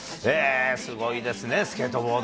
すごいですね、スケートボード。